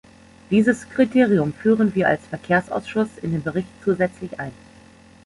Dieses Kriterium führen wir als Verkehrsausschuss in den Bericht zusätzlich ein.